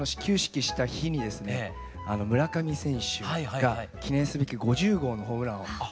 村上選手が記念すべき５０号のホームランを。